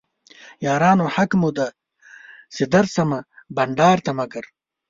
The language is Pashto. یارانو حق مو دی چې درشمه بنډار ته مګر